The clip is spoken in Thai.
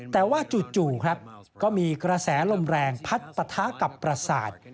แต่ว่าจู่ครับก็มีกระแสลมแรงพัดปะทะกับประสาท